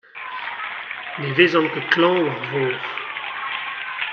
ne vezan ket klañv war vor.